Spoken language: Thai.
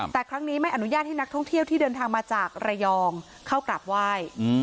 แต่ครั้งนี้ไม่อนุญาตให้นักท่องเที่ยวที่เดินทางมาจากระยองเข้ากราบไหว้